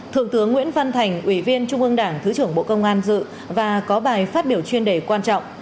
thượng tướng nguyễn văn thành ủy viên trung ương đảng thứ trưởng bộ công an dự và có bài phát biểu chuyên đề quan trọng